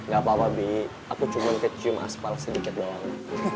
gak apa apa bi aku cuma kecium aspal sedikit doang